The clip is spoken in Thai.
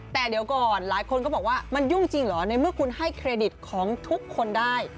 แต่เดี๋ยวก่อนหลายคนก็บอกว่ามันยุ่งจริงเหรอในเมื่อคุณให้เครดิตของทุกคนได้